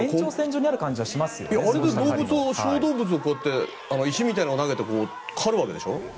あれで小動物を石みたいなのを投げて狩るわけでしょ。